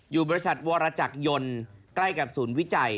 อยู่บริษัทวรจักรยนต์ใกล้กับศูนย์วิจัย